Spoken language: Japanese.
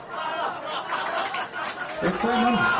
えっこれ何ですか？